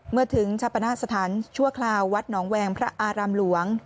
เมื่อถึงชะปณะสถานชั่วคราววัดหนองแวงพระอารามหลวง